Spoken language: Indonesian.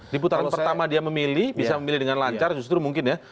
di putaran pertama dia memilih bisa memilih dengan lancar justru mungkin ya